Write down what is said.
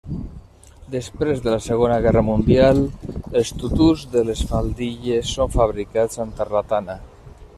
Després de la Segona Guerra Mundial, els tutús de les faldilles són fabricats amb tarlatana.